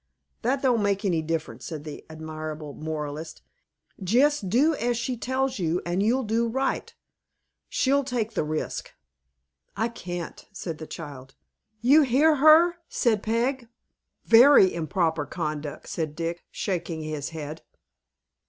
"That don't make any difference," said the admirable moralist; "jest do as she tells you, and you'll do right. She'll take the risk." "I can't!" said the child. "You hear her?" said Peg. "Very improper conduct!" said Dick, shaking his head.